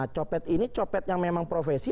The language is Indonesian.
copet ini copet yang memang profesi